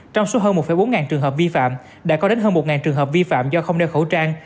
trong số hơn một bốn trường hợp vi phạm đã có đến hơn một trường hợp vi phạm do không đeo khẩu trang